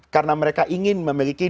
karena mereka ingin memiliki